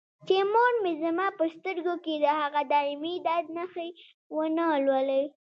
چې مور مې زما په سترګو کې د هغه دایمي درد نښې ونه لولي.